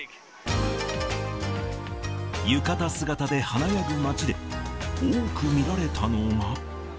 浴衣姿で華やぐ街で、多く見られたのが。